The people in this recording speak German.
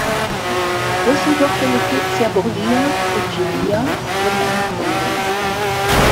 Dessen Tochter Lucrezia Borgia und Giulia wurden enge Freundinnen.